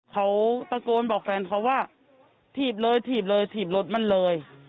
เขาตะโกนบอกแฟนเขาว่าถีบเลยถีบเลยถีบรถมันเลย